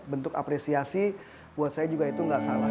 bentuk apresiasi buat saya juga itu nggak salah